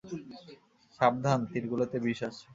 সাবধান, তীরগুলোতে বিষ আছে।